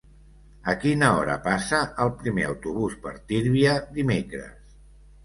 A quina hora passa el primer autobús per Tírvia dimecres?